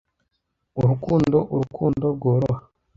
urukundo urukundo rworoha